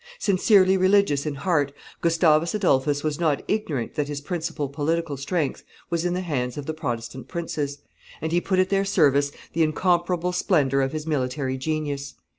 Sincerely religious in heart, Gustavus Adolphus was not ignorant that his principal political strength was in the hands of the Protestant princes; and he put at their service the incomparable splendor of his military genius.